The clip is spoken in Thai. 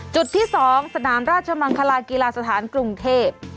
จุดที่๒สนามราชมังคลากีฬาสถานกรุงเทพ